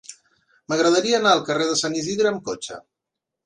M'agradaria anar al carrer de Sant Isidre amb cotxe.